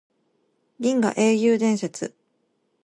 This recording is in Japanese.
銀河英雄伝説